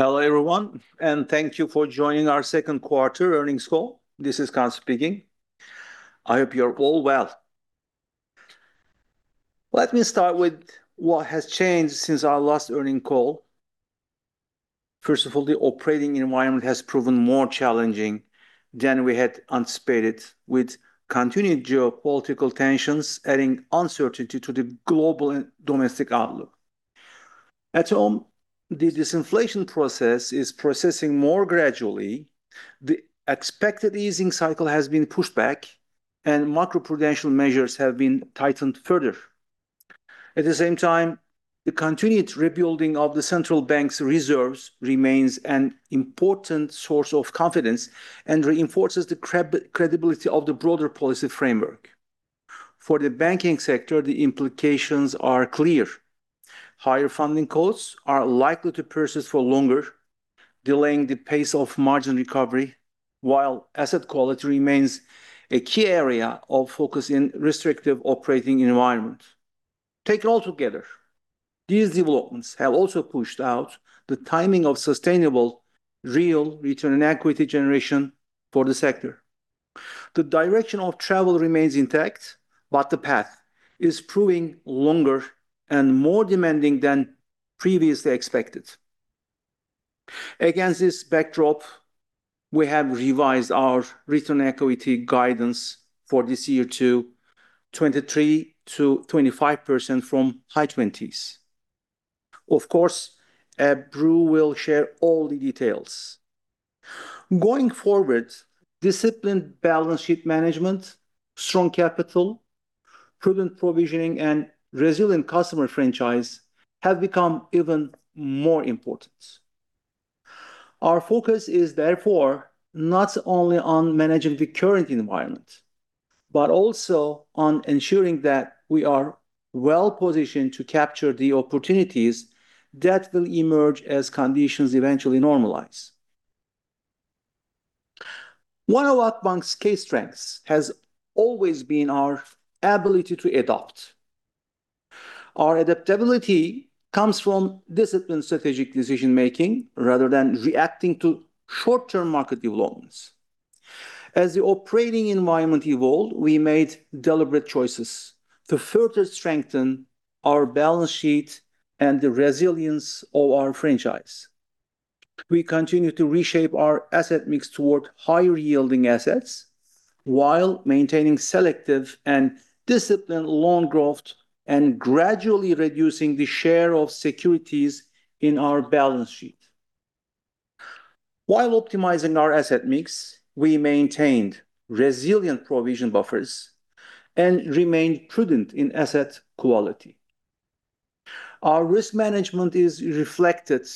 Hello, everyone, thank you for joining our second quarter earnings call. This is Kaan speaking. I hope you are all well. Let me start with what has changed since our last earning call. First of all, the operating environment has proven more challenging than we had anticipated, with continued geopolitical tensions adding uncertainty to the global and domestic outlook. At home, the disinflation process is progressing more gradually, the expected easing cycle has been pushed back, macro-prudential measures have been tightened further. At the same time, the continued rebuilding of the Central Bank's reserves remains an important source of confidence and reinforces the credibility of the broader policy framework. For the banking sector, the implications are clear. Higher funding costs are likely to persist for longer, delaying the pace of margin recovery, while asset quality remains a key area of focus in restrictive operating environments. Taken all together, these developments have also pushed out the timing of sustainable real return on equity generation for the sector. The direction of travel remains intact, the path is proving longer and more demanding than previously expected. Against this backdrop, we have revised our return equity guidance for this year to 23%-25% from high 20s. Of course, Ebru will share all the details. Going forward, disciplined balance sheet management, strong capital, prudent provisioning, resilient customer franchise have become even more important. Our focus is therefore not only on managing the current environment, but also on ensuring that we are well-positioned to capture the opportunities that will emerge as conditions eventually normalize. One of Akbank's key strengths has always been our ability to adapt. Our adaptability comes from disciplined strategic decision-making rather than reacting to short-term market developments. As the operating environment evolved, we made deliberate choices to further strengthen our balance sheet and the resilience of our franchise. We continue to reshape our asset mix toward higher-yielding assets while maintaining selective and disciplined loan growth, gradually reducing the share of securities in our balance sheet. While optimizing our asset mix, we maintained resilient provision buffers and remained prudent in asset quality. Our risk management is reflected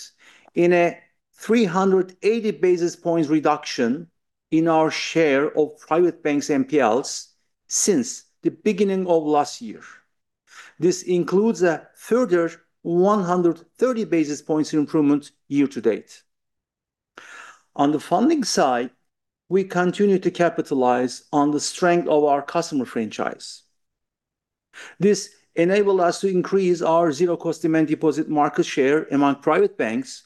in a 380 basis points reduction in our share of private banks NPLs since the beginning of last year. This includes a further 130 basis points improvement year to date. On the funding side, we continue to capitalize on the strength of our customer franchise. This enabled us to increase our zero cost demand deposit market share among private banks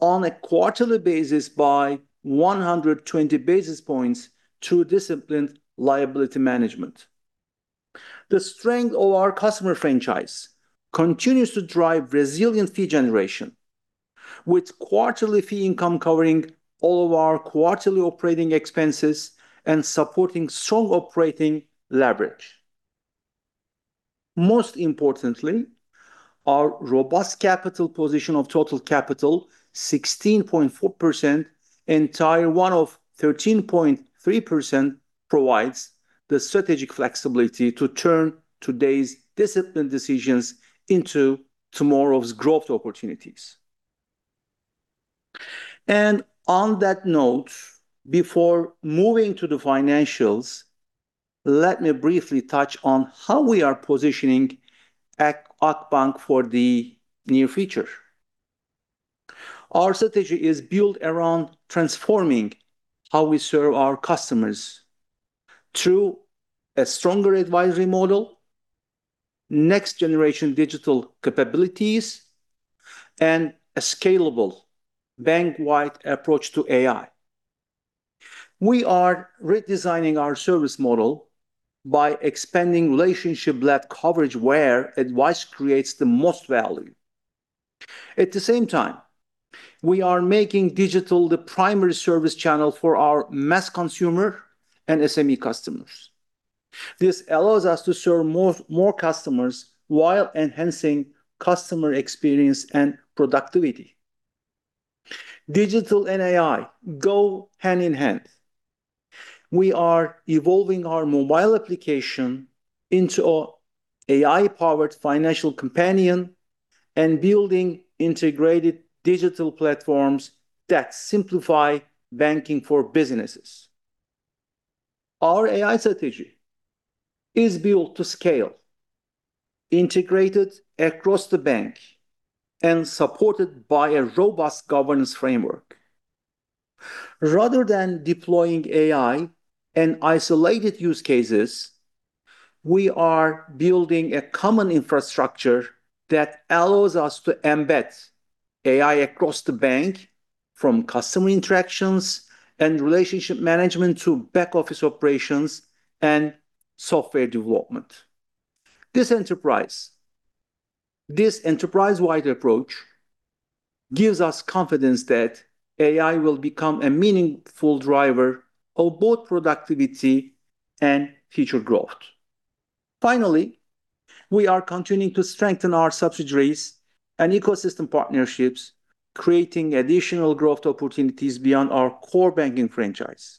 on a quarterly basis by 120 basis points through disciplined liability management. The strength of our customer franchise continues to drive resilient fee generation, with quarterly fee income covering all of our quarterly operating expenses and supporting strong operating leverage. Most importantly, our robust capital position of total capital 16.4%, Tier 1 of 13.3% provides the strategic flexibility to turn today's disciplined decisions into tomorrow's growth opportunities. On that note, before moving to the financials, let me briefly touch on how we are positioning Akbank for the near future. Our strategy is built around transforming how we serve our customers through a stronger advisory model, next generation digital capabilities, a scalable bank-wide approach to AI. We are redesigning our service model by expanding relationship-led coverage where advice creates the most value. At the same time, we are making digital the primary service channel for our mass consumer and SME customers. This allows us to serve more customers while enhancing customer experience and productivity. Digital and AI go hand in hand. We are evolving our mobile application into a AI-powered financial companion and building integrated digital platforms that simplify banking for businesses. Our AI strategy is built to scale, integrated across the bank, and supported by a robust governance framework. Rather than deploying AI in isolated use cases, we are building a common infrastructure that allows us to embed AI across the bank from customer interactions and relationship management to back office operations and software development. This enterprise-wide approach gives us confidence that AI will become a meaningful driver of both productivity and future growth. Finally, we are continuing to strengthen our subsidiaries and ecosystem partnerships, creating additional growth opportunities beyond our core banking franchise.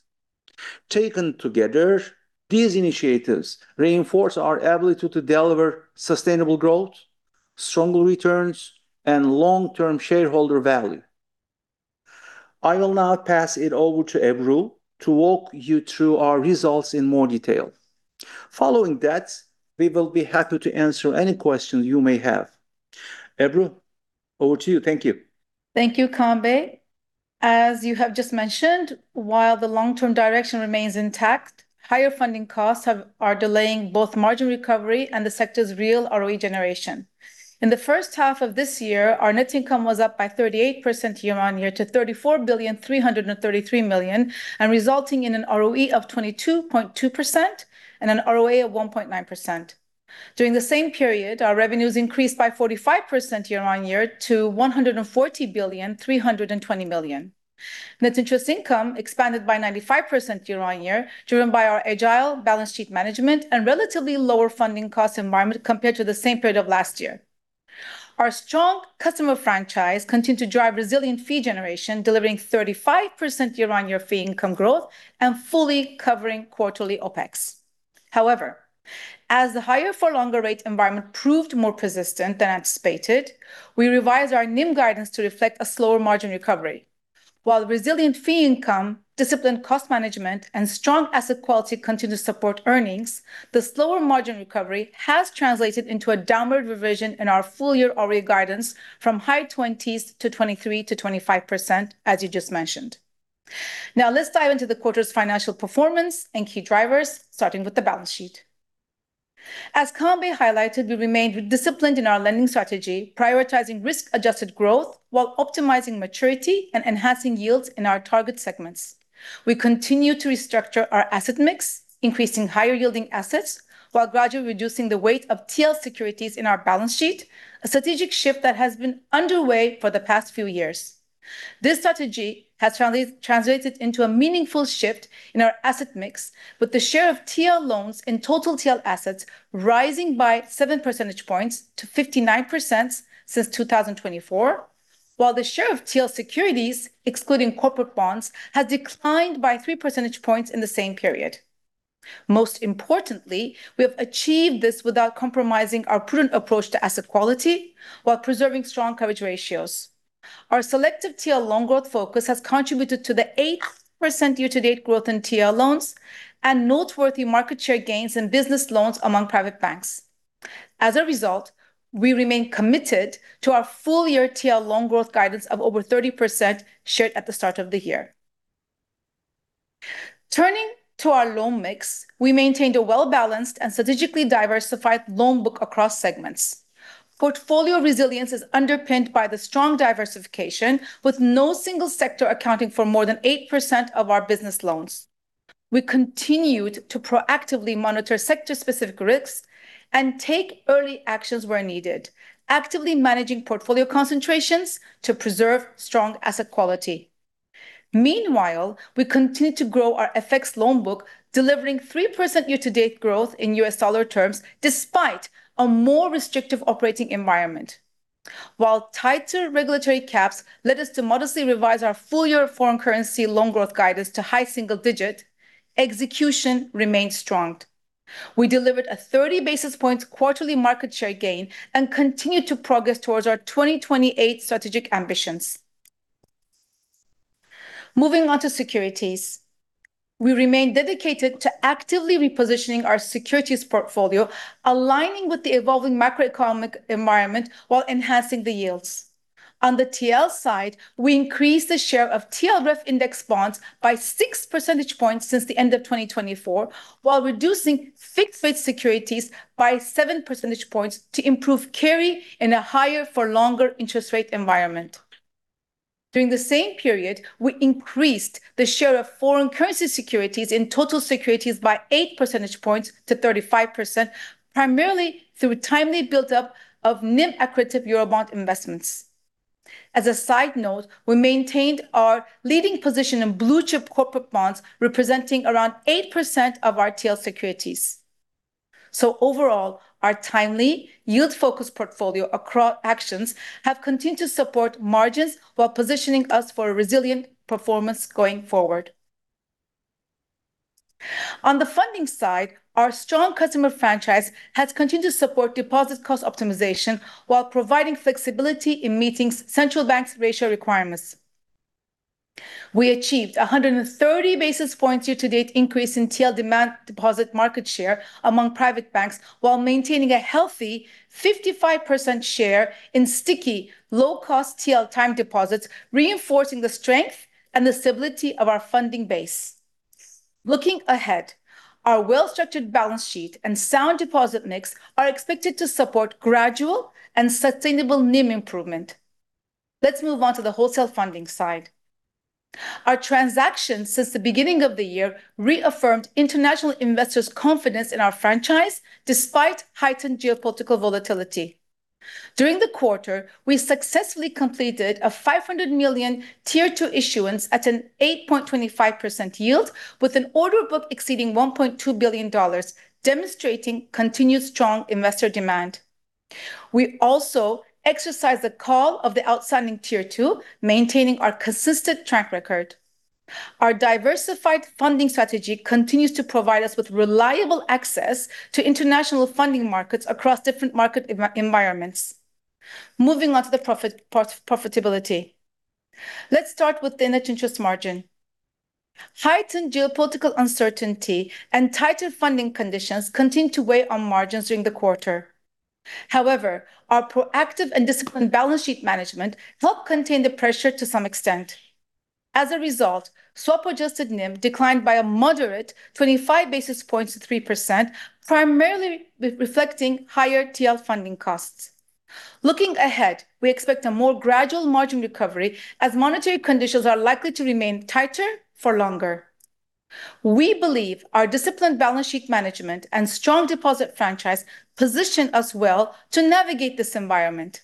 Taken together, these initiatives reinforce our ability to deliver sustainable growth, stronger returns, and long-term shareholder value. I will now pass it over to Ebru to walk you through our results in more detail. Following that, we will be happy to answer any questions you may have. Ebru, over to you. Thank you. Thank you, Kaan. As you have just mentioned, while the long-term direction remains intact, higher funding costs are delaying both margin recovery and the sector's real ROE generation. In the first half of this year, our net income was up by 38% year-on-year to 34 billion 333 million, and resulting in an ROE of 22.2% and an ROA of 1.9%. During the same period, our revenues increased by 45% year-on-year to 140 billion 320 million. Net interest income expanded by 95% year-on-year, driven by our agile balance sheet management and relatively lower funding cost environment compared to the same period of last year. Our strong customer franchise continued to drive resilient fee generation, delivering 35% year-on-year fee income growth and fully covering quarterly OpEx. As the higher for longer rate environment proved more persistent than anticipated, we revised our NIM guidance to reflect a slower margin recovery. While resilient fee income, disciplined cost management, and strong asset quality continue to support earnings, the slower margin recovery has translated into a downward revision in our full year ROE guidance from high 20s to 23%-25%, as you just mentioned. Now let's dive into the quarter's financial performance and key drivers, starting with the balance sheet. As Kaan highlighted, we remained disciplined in our lending strategy, prioritizing risk-adjusted growth while optimizing maturity and enhancing yields in our target segments. We continue to restructure our asset mix, increasing higher yielding assets while gradually reducing the weight of TL securities in our balance sheet, a strategic shift that has been underway for the past few years. This strategy has translated into a meaningful shift in our asset mix with the share of TL loans in total TL assets rising by 7 percentage points to 59% since 2024, while the share of TL securities, excluding corporate bonds, has declined by 3 percentage points in the same period. Most importantly, we have achieved this without compromising our prudent approach to asset quality while preserving strong coverage ratios. Our selective TL loan growth focus has contributed to the 8% year-to-date growth in TL loans and noteworthy market share gains in business loans among private banks. As a result, we remain committed to our full year TL loan growth guidance of over 30% shared at the start of the year. Turning to our loan mix, we maintained a well-balanced and strategically diversified loan book across segments. Portfolio resilience is underpinned by the strong diversification with no single sector accounting for more than 8% of our business loans. We continued to proactively monitor sector-specific risks and take early actions where needed, actively managing portfolio concentrations to preserve strong asset quality. Meanwhile, we continued to grow our FX loan book, delivering 3% year-to-date growth in USD terms despite a more restrictive operating environment. While tighter regulatory caps led us to modestly revise our full year foreign currency loan growth guidance to high single-digit, execution remained strong. We delivered a 30 basis points quarterly market share gain and continued to progress towards our 2028 strategic ambitions. Moving on to securities. We remain dedicated to actively repositioning our securities portfolio, aligning with the evolving macroeconomic environment while enhancing the yields. On the TL side, we increased the share of TL REF index bonds by 6 percentage points since the end of 2024, while reducing fixed rate securities by 7 percentage points to improve carry in a higher for longer interest rate environment. During the same period, we increased the share of foreign currency securities in total securities by 8 percentage points to 35%, primarily through timely buildup of NIM-accretive Eurobond investments. As a side note, we maintained our leading position in blue-chip corporate bonds, representing around 8% of our TL securities. Overall, our timely yield-focused portfolio actions have continued to support margins while positioning us for a resilient performance going forward. On the funding side, our strong customer franchise has continued to support deposit cost optimization while providing flexibility in meeting central banks' ratio requirements. We achieved 130 basis points year-to-date increase in TL demand deposit market share among private banks while maintaining a healthy 55% share in sticky low-cost TL time deposits, reinforcing the strength and the stability of our funding base. Looking ahead, our well-structured balance sheet and sound deposit mix are expected to support gradual and sustainable NIM improvement. Let's move on to the wholesale funding side. Our transactions since the beginning of the year reaffirmed international investors' confidence in our franchise, despite heightened geopolitical volatility. During the quarter, we successfully completed a $500 million Tier 2 issuance at an 8.25% yield with an order book exceeding $1.2 billion, demonstrating continued strong investor demand. We also exercised the call of the outstanding Tier 2, maintaining our consistent track record. Our diversified funding strategy continues to provide us with reliable access to international funding markets across different market environments. Moving on to the profitability. Let's start with the net interest margin. Heightened geopolitical uncertainty and tighter funding conditions continued to weigh on margins during the quarter. Our proactive and disciplined balance sheet management helped contain the pressure to some extent. As a result, swap-adjusted NIM declined by a moderate 25 basis points to 3%, primarily reflecting higher TL funding costs. Looking ahead, we expect a more gradual margin recovery as monetary conditions are likely to remain tighter for longer. We believe our disciplined balance sheet management and strong deposit franchise position us well to navigate this environment.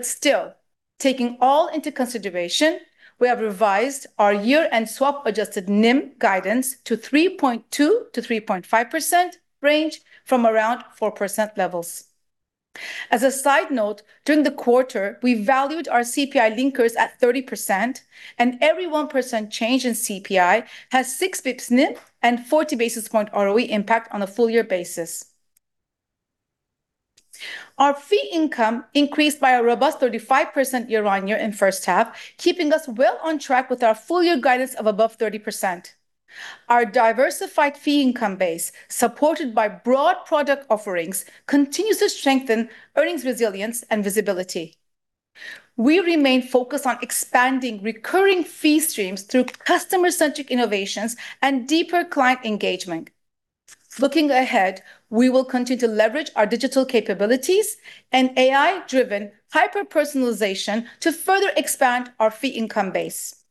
Still, taking all into consideration, we have revised our year-end swap-adjusted NIM guidance to 3.2%-3.5% range from around 4% levels. As a side note, during the quarter, we valued our CPI linkers at 30% and every 1% change in CPI has 6 basis points NIM and 40 basis points ROE impact on a full-year basis. Our fee income increased by a robust 35% year-on-year in first half, keeping us well on track with our full-year guidance of above 30%. Our diversified fee income base, supported by broad product offerings, continues to strengthen earnings resilience and visibility. We remain focused on expanding recurring fee streams through customer-centric innovations and deeper client engagement. Looking ahead, we will continue to leverage our digital capabilities and AI-driven hyperpersonalization to further expand our fee income base.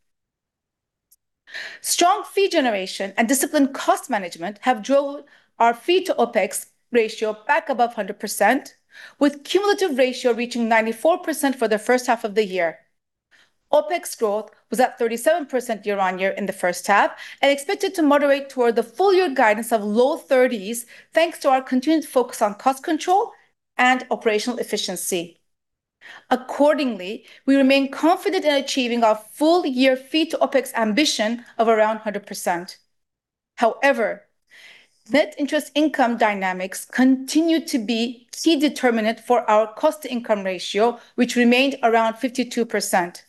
Strong fee generation and disciplined cost management have drove our fee to OpEx ratio back above 100%, with cumulative ratio reaching 94% for the first half of the year. OpEx growth was at 37% year-on-year in the first half and expected to moderate toward the full-year guidance of low 30s, thanks to our continued focus on cost control and operational efficiency. Accordingly, we remain confident in achieving our full-year fee to OpEx ambition of around 100%. Net interest income dynamics continue to be key determinant for our cost-to-income ratio, which remained around 52%,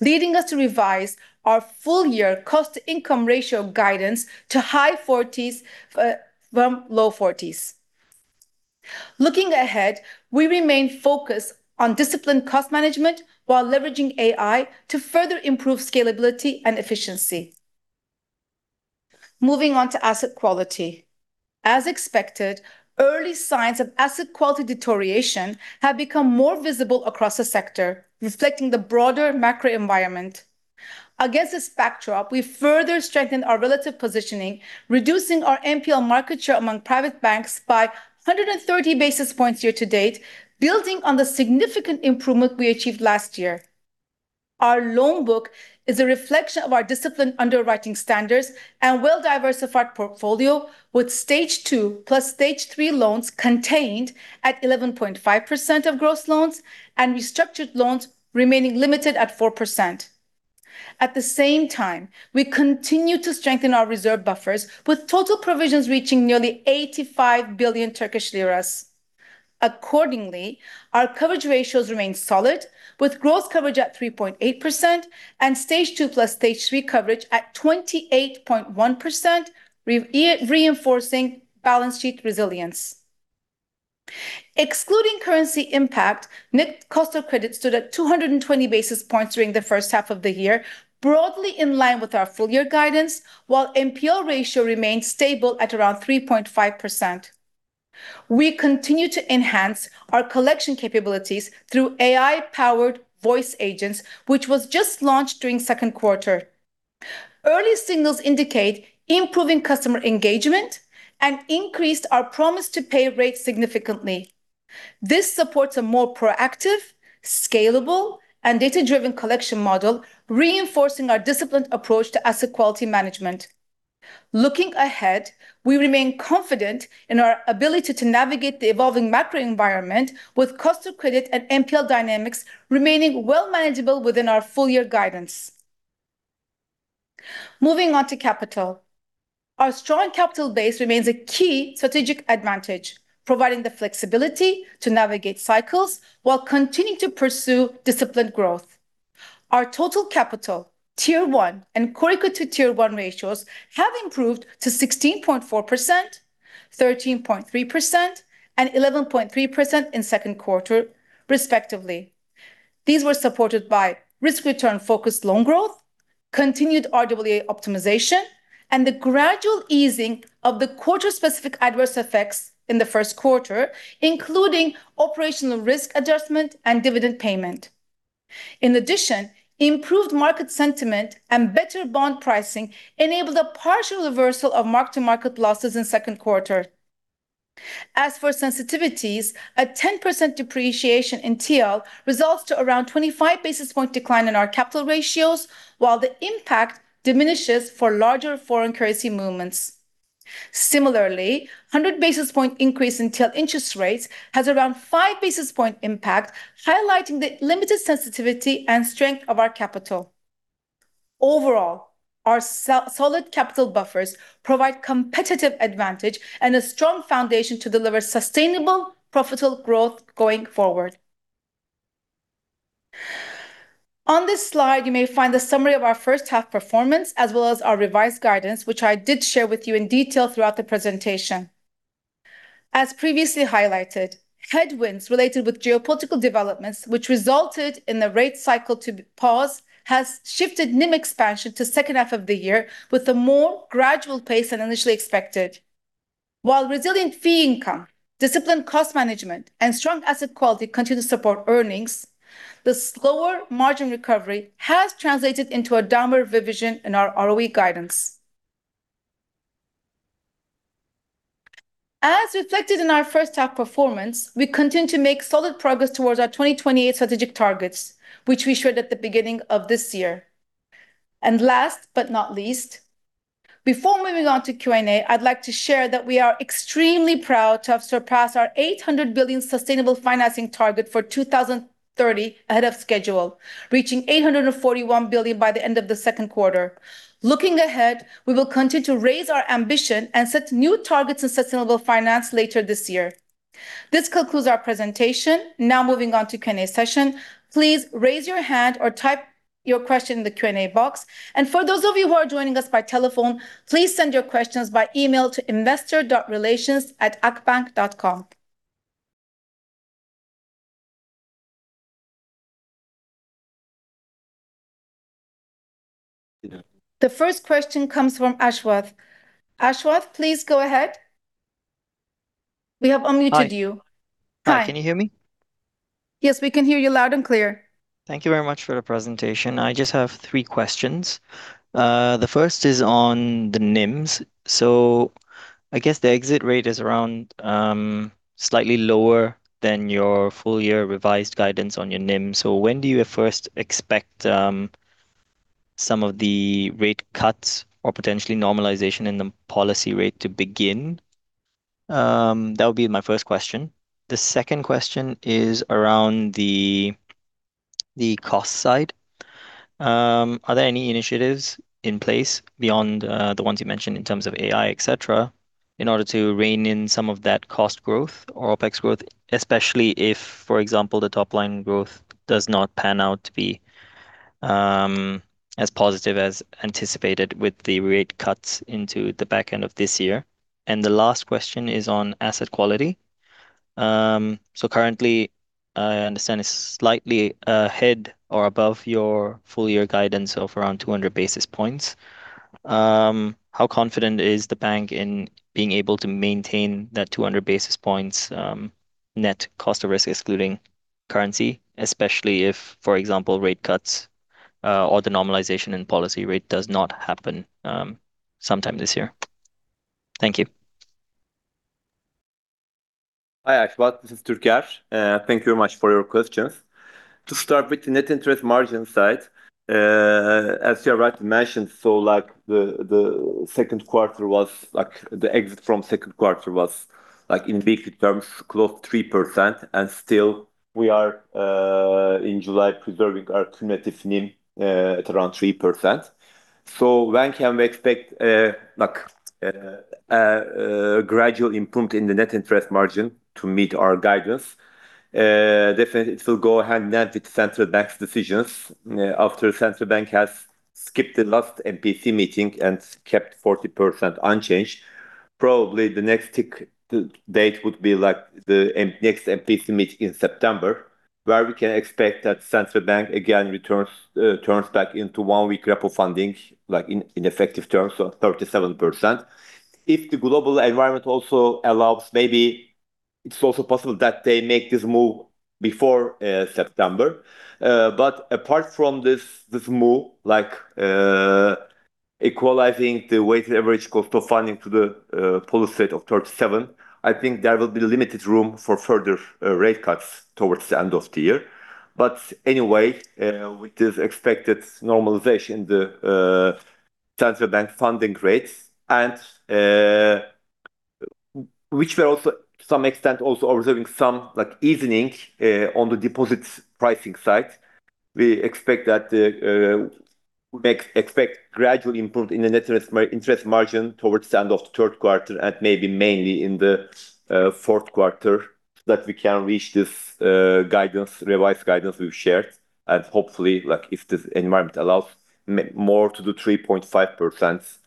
leading us to revise our full-year cost-to-income ratio guidance to high 40s from low 40s. Looking ahead, we remain focused on disciplined cost management while leveraging AI to further improve scalability and efficiency. Moving on to asset quality. As expected, early signs of asset quality deterioration have become more visible across the sector, reflecting the broader macro environment. Against this backdrop, we further strengthened our relative positioning, reducing our NPL market share among private banks by 130 basis points year to date, building on the significant improvement we achieved last year. Our loan book is a reflection of our disciplined underwriting standards and well-diversified portfolio with Stage 2 plus Stage 3 loans contained at 11.5% of gross loans and restructured loans remaining limited at 4%. At the same time, we continue to strengthen our reserve buffers with total provisions reaching nearly 85 billion Turkish lira. Accordingly, our coverage ratios remain solid, with gross coverage at 3.8% and Stage 2 plus Stage 3 coverage at 28.1%, reinforcing balance sheet resilience. Excluding currency impact, net cost of credit stood at 220 basis points during the first half of the year, broadly in line with our full-year guidance, while NPL ratio remained stable at around 3.5%. We continue to enhance our collection capabilities through AI-powered voice agents, which was just launched during second quarter. Early signals indicate improving customer engagement and increased our promise to pay rate significantly. This supports a more proactive, scalable, and data-driven collection model, reinforcing our disciplined approach to asset quality management. Looking ahead, we remain confident in our ability to navigate the evolving macro environment with cost of credit and NPL dynamics remaining well manageable within our full-year guidance. Moving on to capital. Our strong capital base remains a key strategic advantage, providing the flexibility to navigate cycles while continuing to pursue disciplined growth. Our total capital Tier 1 and core equity Tier 1 ratios have improved to 16.4%, 13.3%, and 11.3% in second quarter respectively. These were supported by risk-return-focused loan growth, continued RWA optimization, and the gradual easing of the quarter-specific adverse effects in the first quarter, including operational risk adjustment and dividend payment. In addition, improved market sentiment and better bond pricing enabled a partial reversal of mark-to-market losses in second quarter. As for sensitivities, a 10% depreciation in TL results to around 25 basis point decline in our capital ratios, while the impact diminishes for larger foreign currency movements. Similarly, a 100 basis point increase in TL interest rates has around 5 basis point impact, highlighting the limited sensitivity and strength of our capital. Overall, our solid capital buffers provide competitive advantage and a strong foundation to deliver sustainable, profitable growth going forward. On this slide, you may find the summary of our first-half performance, as well as our revised guidance, which I did share with you in detail throughout the presentation. As previously highlighted, headwinds related with geopolitical developments, which resulted in the rate cycle to pause, has shifted NIM expansion to second half of the year with a more gradual pace than initially expected. While resilient fee income, disciplined cost management, and strong asset quality continue to support earnings, the slower margin recovery has translated into a downward revision in our ROE guidance. As reflected in our first-half performance, we continue to make solid progress towards our 2028 strategic targets, which we shared at the beginning of this year. Last but not least, before moving on to Q&A, I'd like to share that we are extremely proud to have surpassed our 800 billion sustainable financing target for 2030 ahead of schedule, reaching 841 billion by the end of the second quarter. Looking ahead, we will continue to raise our ambition and set new targets in sustainable finance later this year. This concludes our presentation. Now moving on to Q&A session. Please raise your hand or type your question in the Q&A box. For those of you who are joining us by telephone, please send your questions by email to investor.relations@akbank.com. The first question comes from Ashwath. Ashwath, please go ahead. We have unmuted you. Hi. Hi. Can you hear me? Yes, we can hear you loud and clear. Thank you very much for the presentation. I just have three questions. The first is on the NIMs. I guess the exit rate is around slightly lower than your full year revised guidance on your NIM. When do you at first expect some of the rate cuts or potentially normalization in the policy rate to begin? That would be my first question. The second question is around the cost side. Are there any initiatives in place beyond the ones you mentioned in terms of AI, etc., in order to rein in some of that cost growth or OpEx growth, especially if, for example, the top-line growth does not pan out to be as positive as anticipated with the rate cuts into the back end of this year? The last question is on asset quality. Currently, I understand it's slightly ahead or above your full-year guidance of around 200 basis points. How confident is the bank in being able to maintain that 200 basis points net cost of risk excluding currency, especially if, for example, rate cuts or the normalization in policy rate does not happen sometime this year? Thank you. Hi, Ashwath. This is Türker. Thank you very much for your questions. To start with the net interest margin side, as you rightly mentioned, the exit from second quarter was, in basic terms, close to 3%, and still we are in July preserving our cumulative NIM at around 3%. When can we expect a gradual improvement in the net interest margin to meet our guidance? Definitely it will go hand in hand with Central Bank's decisions after Central Bank has skipped the last MPC meeting and kept 40% unchanged. Probably the next tick date would be the next MPC meeting in September, where we can expect that Central Bank again turns back into one-week repo funding in effective terms of 37%. If the global environment also allows, maybe it's also possible that they make this move before September. Apart from this move equalizing the weighted average cost of funding to the policy rate of 37%, I think there will be limited room for further rate cuts towards the end of the year. With this expected normalization, the Central Bank funding rates, which we're also to some extent also observing some easing on the deposits pricing side. We expect gradual improvement in the net interest margin towards the end of the third quarter and maybe mainly in the fourth quarter that we can reach this revised guidance we've shared, and hopefully, if this environment allows, more to the 3.5%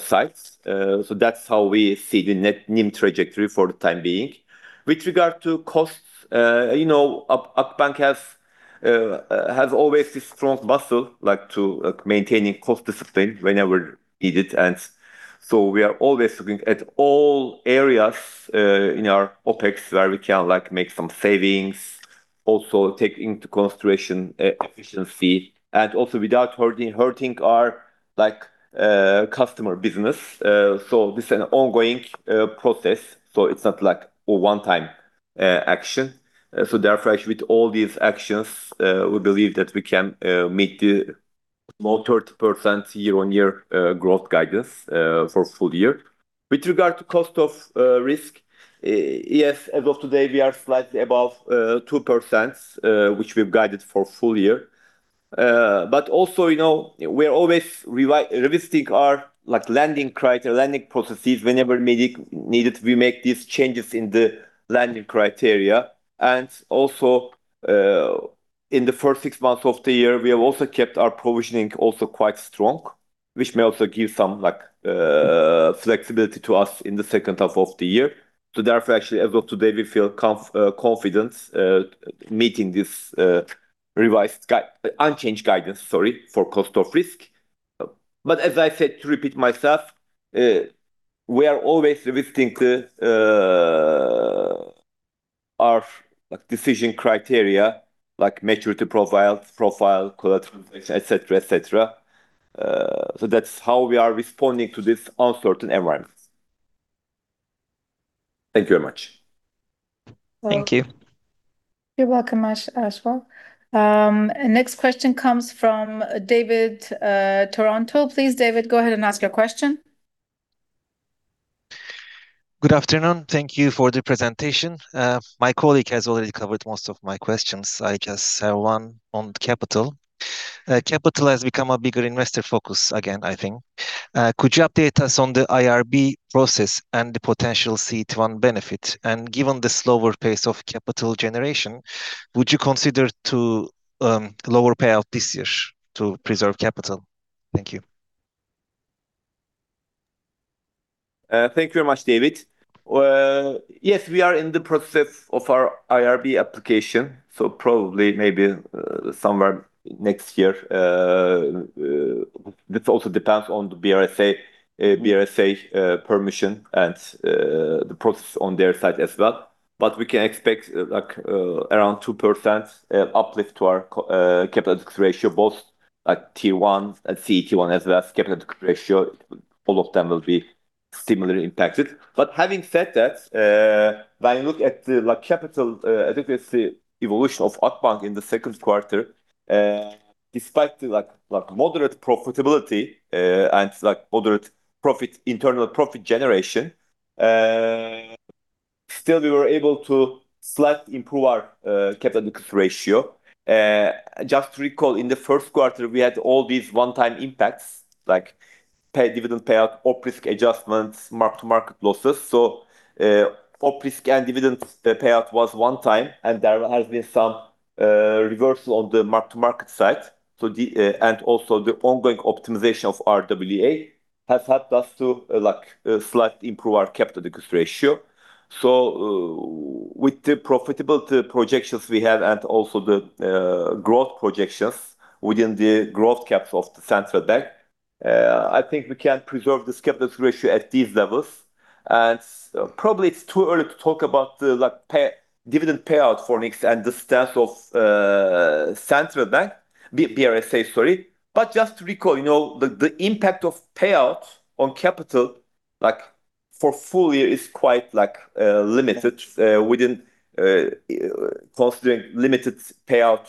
side. That's how we see the NIM trajectory for the time being. With regard to costs, Akbank has always this strong muscle to maintaining cost discipline whenever needed. We are always looking at all areas in our OpEx where we can make some savings, also take into consideration efficiency, and also without hurting our customer business. This is an ongoing process, so it's not a one-time action. With all these actions, we believe that we can meet the low 30% year-on-year growth guidance for full year. With regard to cost of risk, yes, as of today, we are slightly above 2%, which we've guided for full year. We're always revisiting our lending criteria, lending processes. Whenever needed, we make these changes in the lending criteria. And also, in the first six months of the year, we have also kept our provisioning also quite strong, which may also give some flexibility to us in the second half of the year. As of today, we feel confidence meeting this revised, unchanged guidance, sorry, for cost of risk. As I said, to repeat myself, we are always revisiting our decision criteria, like maturity profile, collateral transaction, etc. That's how we are responding to this uncertain environment. Thank you very much. Thank you. You're welcome, Ashwath. Next question comes from David Taranto. Please, David, go ahead and ask your question. Good afternoon. Thank you for the presentation. My colleague has already covered most of my questions. I just have one on capital. Capital has become a bigger investor focus again, I think. Could you update us on the IRB process and the potential CET1 benefit? Given the slower pace of capital generation, would you consider to lower payout this year to preserve capital? Thank you. Thank you very much, David. Yes, we are in the process of our IRB application, probably maybe somewhere next year. This also depends on the BRSA permission, and the process on their side as well. We can expect around 2% uplift to our capital ratio, both at T1, at CET1 as well as capital ratio, all of them will be similarly impacted. Having said that, when you look at the capital adequacy evolution of Akbank in the second quarter, despite the moderate profitability, and moderate internal profit generation, still we were able to slightly improve our capital adequacy ratio. Just to recall, in the first quarter, we had all these one-time impacts, like dividend payout, OPRISK adjustments, mark-to-market losses. OPRISK and dividend payout was one time, and there has been some reversal on the mark-to-market side. The ongoing optimization of RWA has helped us to slightly improve our capital adequacy ratio. With the profitability projections we have, and also the growth projections within the growth capital of the Central Bank, I think we can preserve this capital ratio at these levels. Probably it's too early to talk about the dividend payout for next, and the stance of BRSA, sorry. Just to recall, the impact of payout on capital for full year is quite limited within considering limited payout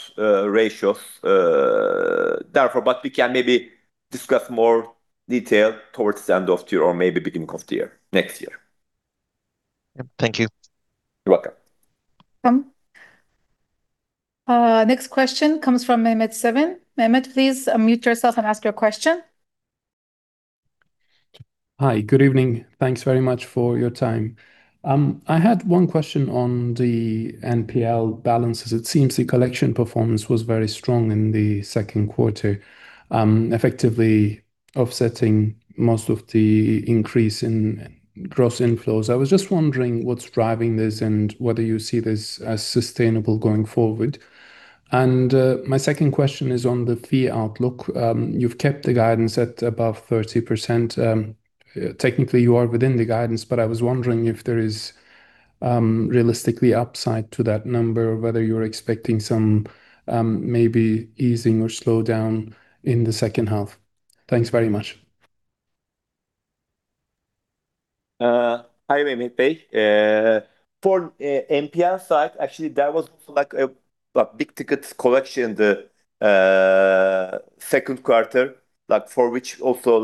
ratios, therefore. We can maybe discuss more detail towards the end of the year or maybe beginning of the year, next year. Thank you. You're welcome. Next question comes from Mehmet Sevim. Mehmet, please unmute yourself and ask your question. Hi. Good evening. Thanks very much for your time. I had one question on the NPL balances. It seems the collection performance was very strong in the second quarter, effectively offsetting most of the increase in gross inflows. I was just wondering what's driving this, and whether you see this as sustainable going forward. My second question is on the fee outlook. You've kept the guidance at above 30%. Technically, you are within the guidance, but I was wondering if there is realistically upside to that number, whether you're expecting some maybe easing or slowdown in the second half. Thanks very much. Hi, Mehmet. For NPL side, actually, that was also a big ticket collection the second quarter, for which also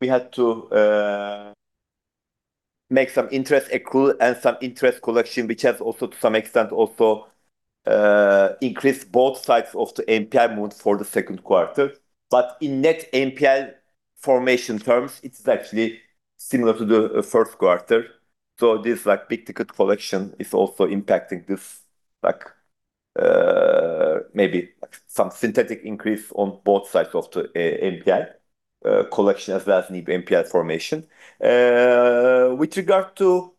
we had to make some interest accrual, and some interest collection, which has also to some extent also increased both sides of the NPL amount for the second quarter. In net NPL formation terms, it's actually similar to the first quarter. This big ticket collection is also impacting this maybe some synthetic increase on both sides of the NPL Collection as well as NPL formation. With regard to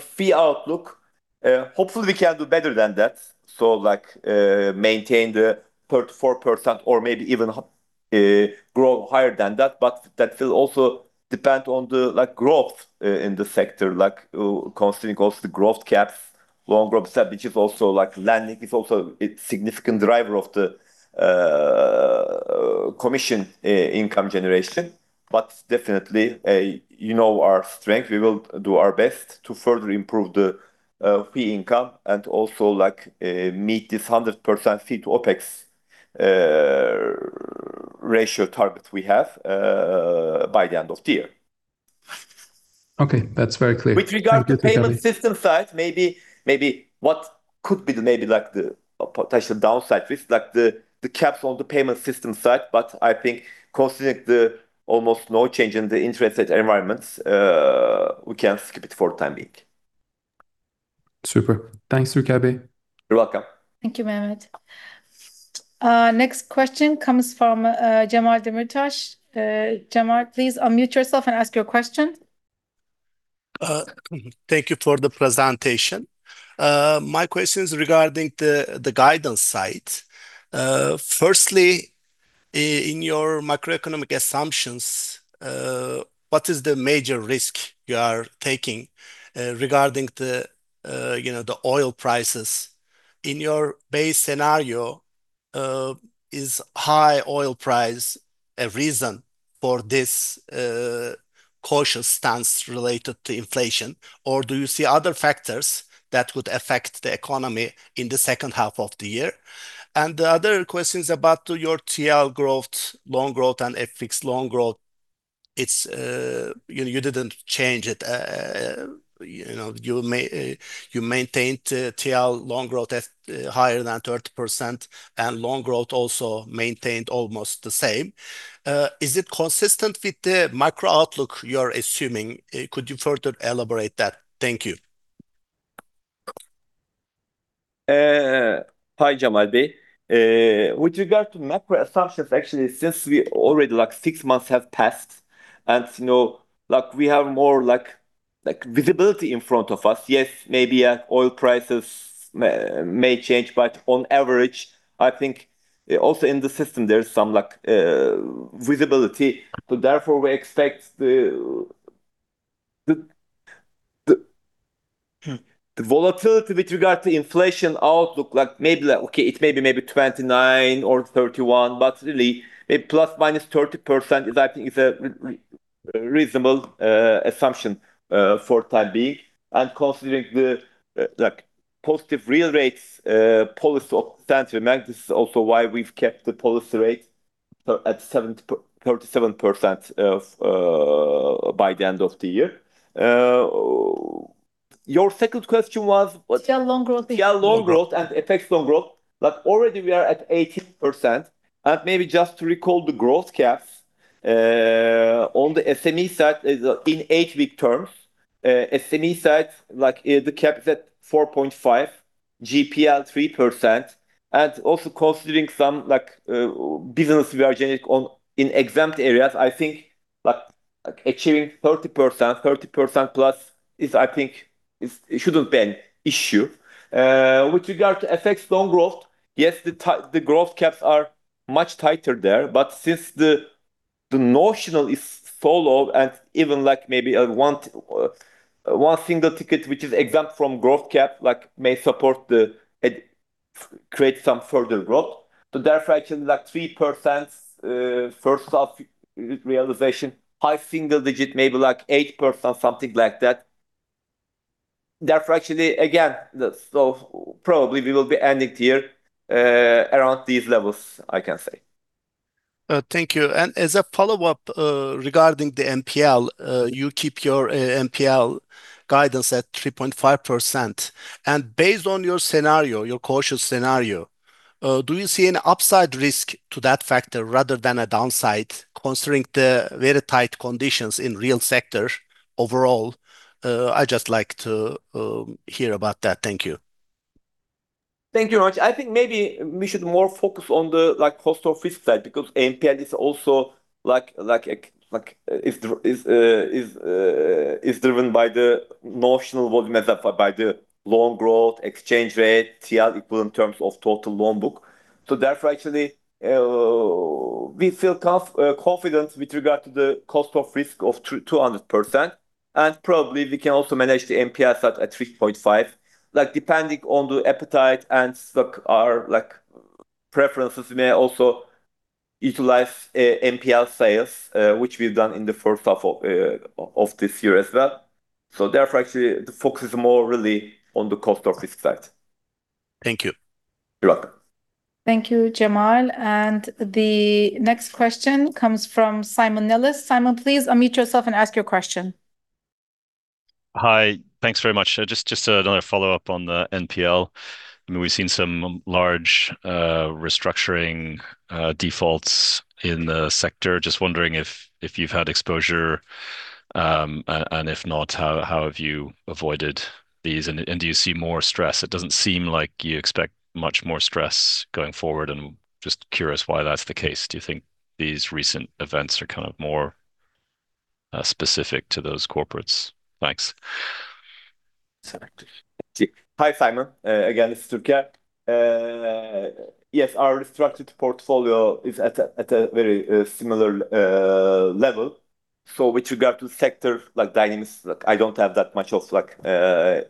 fee outlook, hopefully we can do better than that. Maintain the 34% or maybe even grow higher than that. That will also depend on the growth in the sector, considering also the growth caps, loan growth cap, which is also landing. It's also a significant driver of the commission income generation. Definitely, you know our strength. We will do our best to further improve the fee income, and also meet this 100% fee to OpEx ratio target we have by the end of the year. Okay. That's very clear. Thank you, Türker. With regard to the payment system side, maybe what could be the potential downside risk, the caps on the payment system side, I think considering the almost no change in the interest rate environments, we can skip it for the time being. Super. Thanks, Türker. You're welcome. Thank you, Mehmet. Next question comes from Cemal Demirtaş. Cemal, please unmute yourself and ask your question. Thank you for the presentation. My question is regarding the guidance side. Firstly, in your macroeconomic assumptions, what is the major risk you are taking regarding the oil prices? In your base scenario, is high oil price a reason for this cautious stance related to inflation, or do you see other factors that would affect the economy in the second half of the year? The other question is about your TL growth, loan growth, and FX loan growth. You didn't change it. You maintained TL loan growth at higher than 30%, and loan growth also maintained almost the same. Is it consistent with the macro outlook you're assuming? Could you further elaborate that? Thank you. Hi, Cemal. With regard to macro assumptions, actually, since we already six months have passed, we have more visibility in front of us. Yes, maybe oil prices may change, but on average, I think also in the system, there's some visibility. Therefore, we expect the volatility with regard to inflation outlook, it may be maybe 29% or 31%, but really, ±30%, I think it's a reasonable assumption for time being. Considering the positive real rates policy stance remains. This is also why we've kept the policy rate at 37% by the end of the year. Your second question was what? TL loan growth. TL loan growth and FX loan growth. Already we are at 18%, and maybe just to recall the growth caps on the SME side is in eight-week terms. SME side, the cap is at 4.5%, GPL 3%, and also considering some business we are generating in exempt areas, I think achieving 30%, 30%+ I think it shouldn't be an issue. With regard to FX loan growth, yes, the growth caps are much tighter there, but since the notional is so low, and even maybe one single ticket, which is exempt from growth cap, may support to create some further growth. Therefore, actually 3% first half realization, high single digit, maybe 8%, something like that. Therefore, actually, again, probably we will be ending the year around these levels, I can say. Thank you. As a follow-up regarding the NPL, you keep your NPL guidance at 3.5%. Based on your scenario, your cautious scenario, do you see an upside risk to that factor rather than a downside, considering the very tight conditions in real sector overall? I'd just like to hear about that. Thank you. Thank you very much. I think maybe we should more focus on the cost of risk side because NPL is driven by the notional volume, as I said, by the loan growth, exchange rate, TL equivalent terms of total loan book. Therefore, actually, we feel confident with regard to the cost of risk of 200%, and probably we can also manage the NPL side at 3.5%. Depending on the appetite and our preferences, we may also utilize NPL sales, which we've done in the first half of this year as well. Therefore, actually, the focus is more really on the cost of risk side. Thank you. You're welcome. Thank you, Cemal. The next question comes from Simon Nellis. Simon, please unmute yourself and ask your question. Hi. Thanks very much. Just another follow-up on the NPL. We've seen some large restructuring defaults in the sector. Just wondering if you've had exposure. If not, how have you avoided these, and do you see more stress? It doesn't seem like you expect much more stress going forward, and I'm just curious why that's the case. Do you think these recent events are more specific to those corporates? Thanks. Exactly. Hi, Simon. Again, this is Türker. Yes, our structured portfolio is at a very similar level. With regard to sector dynamics, I don't have that much of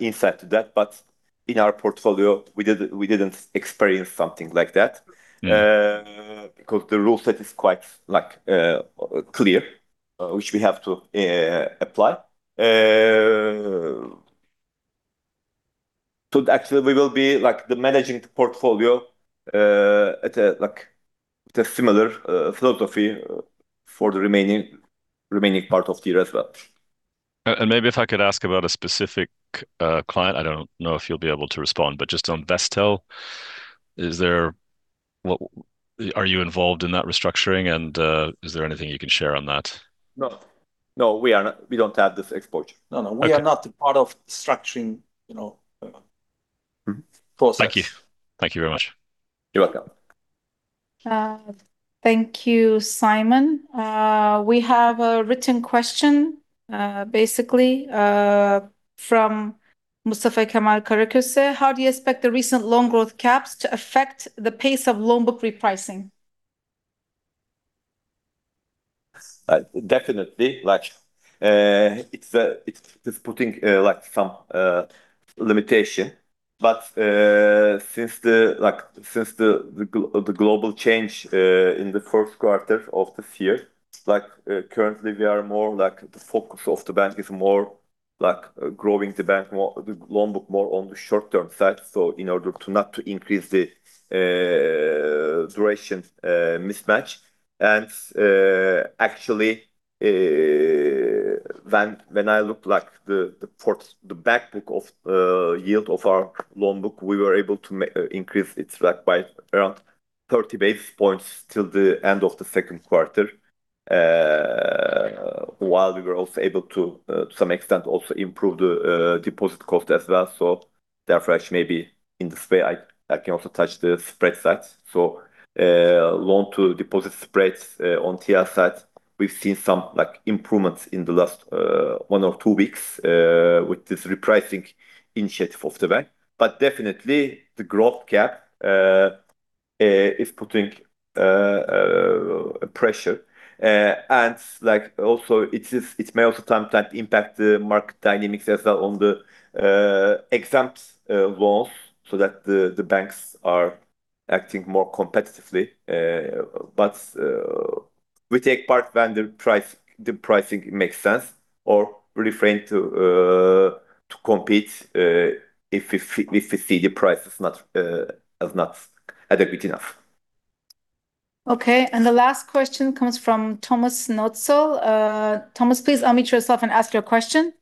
insight to that. In our portfolio, we didn't experience something like that. Because the rule set is quite clear, which we have to apply. Actually, we will be managing the portfolio at a similar philosophy for the remaining part of the year as well. Maybe if I could ask about a specific client. I don't know if you'll be able to respond, but just on Vestel. Are you involved in that restructuring, and is there anything you can share on that? No. We don't have the exposure. No. Okay. We are not part of the structuring process. Thank you. Thank you very much. You're welcome. Thank you, Simon. We have a written question, basically, from Mustafa Kemal Karaköse. How do you expect the recent loan growth caps to affect the pace of loan book repricing? Definitely, it's putting some limitation. Since the global change in the first quarter of this year, currently the focus of the bank is more growing the loan book more on the short-term side, so in order not to increase the duration mismatch. Actually, when I look at the back book of yield of our loan book, we were able to increase it by around 30 basis points till the end of the second quarter, while we were also able to some extent also improve the deposit cost as well. Therefore, actually, maybe in this way, I can also touch the spread sides. Loan-to-deposit spreads on TL sides, we've seen some improvements in the last one or two weeks with this repricing initiative of the bank. Definitely the growth cap is putting pressure. Also it may also impact the market dynamics as well on the exempt loans so that the banks are acting more competitively. We take part when the pricing makes sense or refrain to compete if we see the price is not adequate enough. Okay. The last question comes from Thomas Nötzel. Thomas, please unmute yourself and ask your question.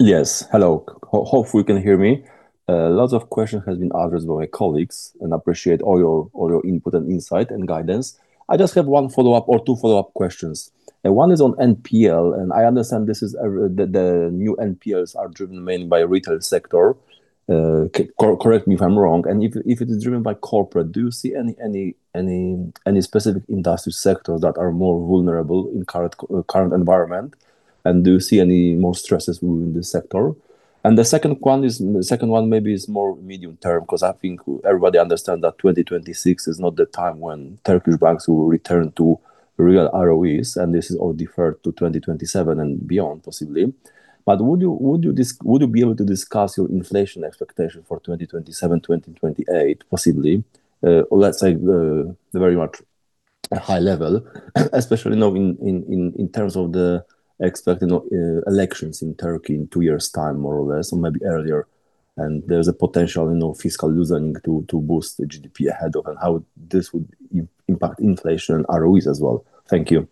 Yes, hello. Hopefully you can hear me. Lots of questions have been addressed by my colleagues. Appreciate all your input and insight and guidance. I just have one follow-up or two follow-up questions. One is on NPL. I understand the new NPLs are driven mainly by retail sector. Correct me if I'm wrong. If it is driven by corporate, do you see any specific industry sectors that are more vulnerable in current environment, and do you see any more stresses moving this sector? The second one maybe is more medium term, because I think everybody understand that 2026 is not the time when Turkish banks will return to real ROEs, and this is all deferred to 2027 and beyond, possibly. Would you be able to discuss your inflation expectation for 2027, 2028, possibly? Let's say very much high level, especially now in terms of the elections in Turkey in two years' time, more or less, or maybe earlier. There's a potential fiscal loosening to boost the GDP ahead, and how this would impact inflation and ROEs as well. Thank you.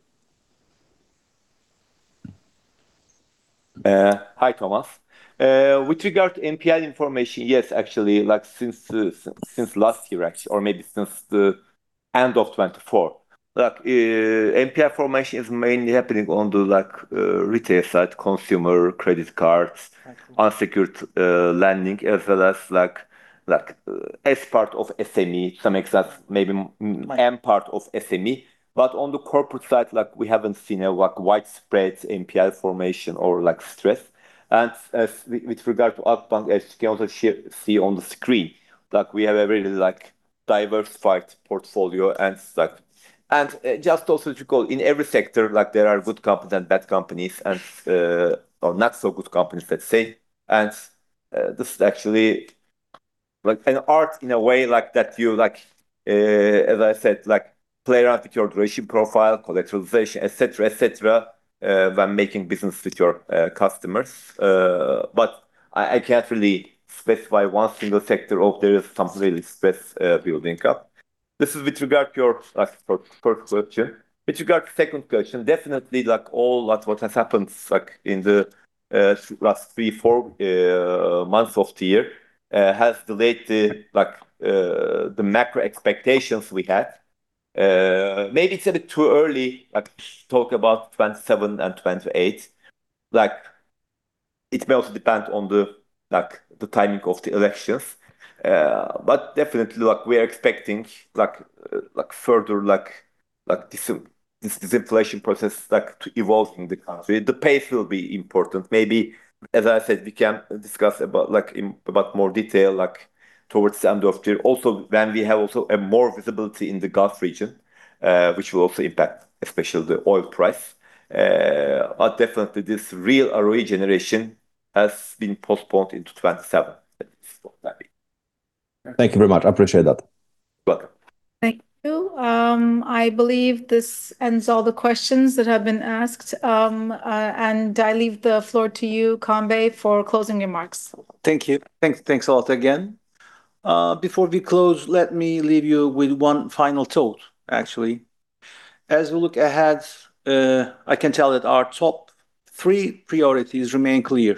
Hi, Thomas. With regard to NPL information, yes, actually, since last year, or maybe since the end of 2024. NPL formation is mainly happening on the retail side, consumer, credit cards unsecured lending, as well as S part of SME to some extent, maybe M part of SME. On the corporate side, we haven't seen a widespread NPL formation or stress. With regard to Akbank, as you can also see on the screen, we have a very diversified portfolio. Just also to call, in every sector, there are good companies and bad companies, or not so good companies, let's say. This is actually an art in a way, that you, as I said, play around with your duration profile, collateralization, et cetera, when making business with your customers. I can't really specify one single sector of there is some really stress building up. This is with regard to your first question. With regard to second question, definitely, all what has happened in the last three, four months of the year has delayed the macro expectations we had. Maybe it's a bit too early, but talk about 2027 and 2028. It may also depend on the timing of the elections. Definitely, we are expecting further disinflation process to evolve in the country. The pace will be important. Maybe, as I said, we can discuss about more detail towards the end of the year. Also, when we have also a more visibility in the Gulf region which will also impact, especially the oil price. Definitely, this real ROE generation has been postponed into 2027. Let's put it that way. Thank you very much. I appreciate that. Welcome. Thank you. I believe this ends all the questions that have been asked. I leave the floor to you, Kaan, for closing remarks. Thank you. Thanks a lot again. Before we close, let me leave you with one final thought, actually. As we look ahead, I can tell that our top three priorities remain clear.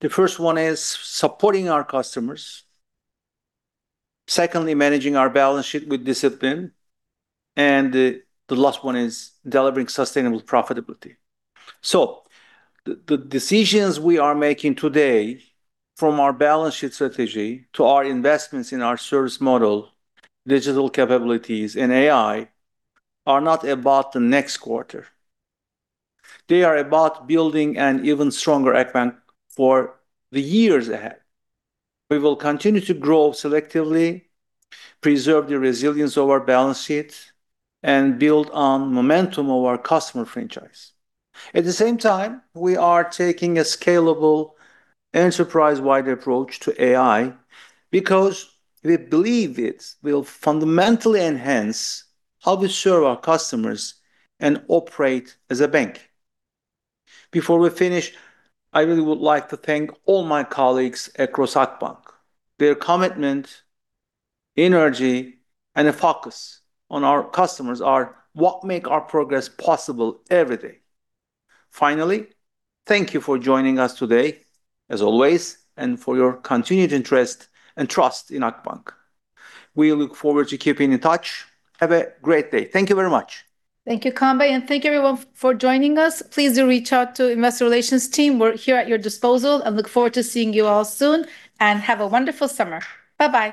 The first one is supporting our customers. Secondly, managing our balance sheet with discipline, and the last one is delivering sustainable profitability. The decisions we are making today from our balance sheet strategy to our investments in our service model, digital capabilities, and AI, are not about the next quarter. They are about building an even stronger Akbank for the years ahead. We will continue to grow selectively, preserve the resilience of our balance sheet, and build on momentum of our customer franchise. At the same time, we are taking a scalable enterprise-wide approach to AI because we believe it will fundamentally enhance how we serve our customers and operate as a bank. Before we finish, I really would like to thank all my colleagues across Akbank. Their commitment, energy, and a focus on our customers are what make our progress possible every day. Thank you for joining us today, as always, and for your continued interest and trust in Akbank. We look forward to keeping in touch. Have a great day. Thank you very much. Thank you, Kaan, thank everyone for joining us. Please do reach out to investor relations team. We're here at your disposal, and look forward to seeing you all soon. Have a wonderful summer. Bye-bye.